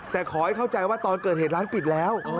แต่ขอให้เข้าใจว่าตอนเกิดเหตุร้านปิดแล้ว